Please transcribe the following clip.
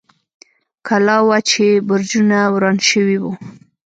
کلا وه، چې برجونه یې وران شوي و.